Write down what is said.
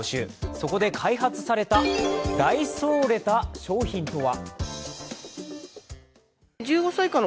そこで開発されたダイソーれた商品とは？